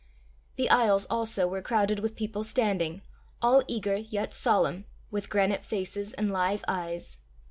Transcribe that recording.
The aisles also were crowded with people standing, all eager yet solemn, with granite faces and live eyes.